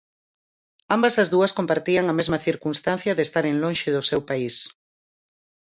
Ambas as dúas compartían a mesma circunstancia de estaren lonxe do seu país.